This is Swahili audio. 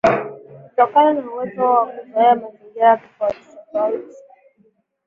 Kutokana na uwezo wao wa kuzoea mazingira tofauti tofauti